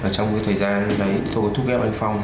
trong thời gian đấy tôi thu ghép anh phong